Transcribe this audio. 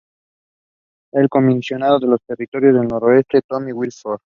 El comisionado de los Territorios del Noroeste es Tony Whitford.